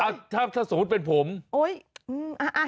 อ่ะถ้าถ้าสมมุติเป็นผมโอ้ยอ่าอ่า